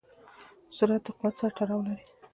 سرعت د قوت سره تړاو لري.